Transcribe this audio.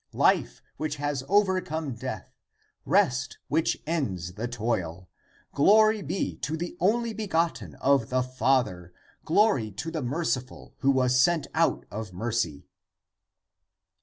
Life, which has over come death ; rest, which ends the toil ! Glory be to the only begotten of the Father; glory to the Merci ful, who was sent out of mercy!"